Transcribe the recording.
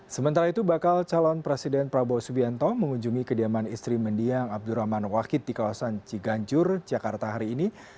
sementara itu bakal calon presiden prabowo subianto mengunjungi kediaman istri mendiang abdurrahman wahid di kawasan ciganjur jakarta hari ini